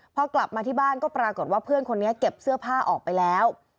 พอกลับมาที่บ้านก็ปรากฏว่าเพื่อนคนนี้เก็บเสื้อผ้าออกไปแล้ว